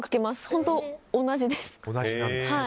本当同じです。